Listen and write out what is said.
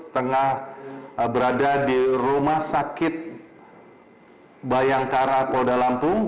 tengah berada di rumah sakit bayangkara polda lampung